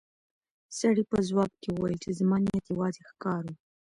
سړي په ځواب کې وویل چې زما نیت یوازې ښکار و.